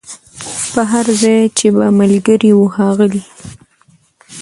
پر هر ځای چي به ملګري وه ښاغلي